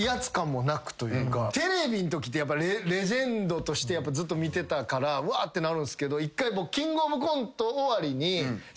テレビのときってやっぱレジェンドとしてずっと見てたからうわってなるんすけど一回。